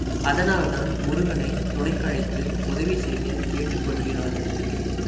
அதனால்தான் முருகனைத் துணைக்கழைத்து உதவி செய்ய கேட்டுக் கொள்கிறார்.